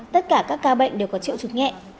tất cả các ca bệnh đều có triệu trụt nhẹ